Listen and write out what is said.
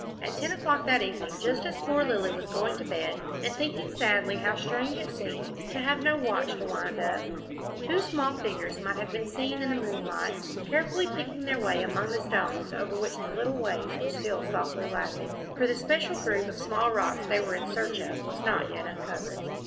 At ten o'clock that evening, just as poor Lilly was going to bed, and thinking sadly how strange it seemed to have no watch to wind up, two small figures might have been seen in the moonlight, carefully picking their way among the stones over which the little waves were still softly lapping, for the special group of small rocks they were in search of was not yet uncovered.